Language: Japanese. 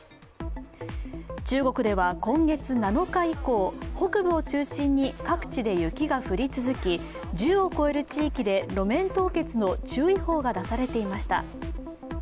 中国では今月７日以降北部を中心に、各地で雪が降り続き、１０を超える地域で路面凍結の注意報が出されていました。